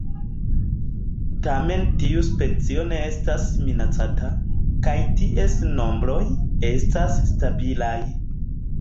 Tamen tiu specio ne estas minacata, kaj ties nombroj estas stabilaj.